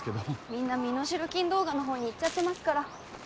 みんな身代金動画の方に行っちゃってますから。